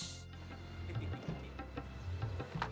tidik tidik tidik